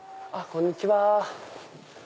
こんにちは。